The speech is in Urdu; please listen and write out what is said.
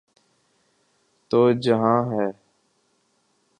تو جہان ہے۔